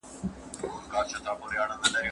د موبایل زنګ ارامي له منځه یووړه.